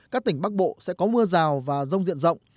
các tỉnh bắc bộ sẽ có mưa rào và rông diện rộng